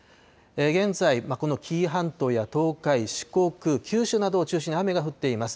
現在、この紀伊半島や東海、四国、九州などを中心に雨が降っています。